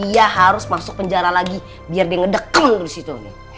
dia harus masuk penjara lagi biar dia ngedekung terus itu nih